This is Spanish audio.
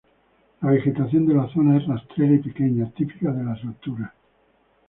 La vegetación de la zona es rastrera y pequeña, típicas de las alturas.